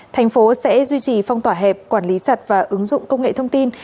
thành phố sẽ duy trì phong tỏa hẹp quản lý chặt và ứng dụng công nghệ thông tin